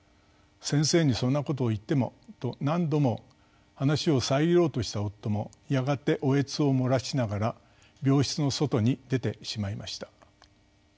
「先生にそんなことを言っても」と何度も話を遮ろうとした夫もやがておえつを漏らしながら病室の外に出てしまいました。